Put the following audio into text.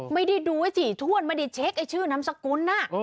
ไม่ได้ดูไว้สี่ถ้วนไม่ได้เช็คชื่อน้ำสกุล